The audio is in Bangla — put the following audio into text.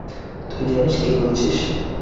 তুই জানিস কী বলছিস?